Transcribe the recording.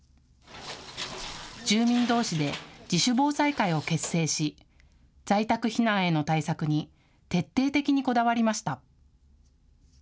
住民どうしで自主防災会を結成し在宅避難への対策に徹底的にこだわりました。